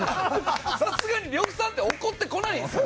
さすがに呂布さんって怒ってこないんですか？